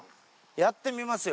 やってみますよ。